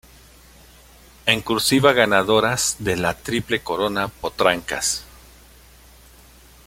En Cursiva Ganadoras de la Triple Corona Potrancas.